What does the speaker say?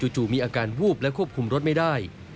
มีอาการวูบและควบคุมรถไม่ได้